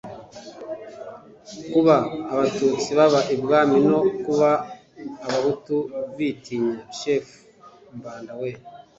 kuba abatutsi baba ibwami no kuba abahutu bitinya shefu mbanda we